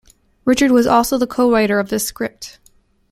Richard was also the co-writer of this script.